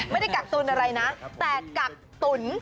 ไม่ได้กักตุ๋นอะไรนะแต่กักตุ๋น